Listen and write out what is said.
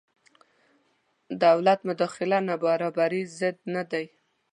دولت مداخله نابرابرۍ ضد نه دی.